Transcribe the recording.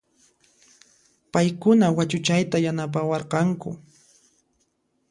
Payquna wachuchayta yanapawarqanku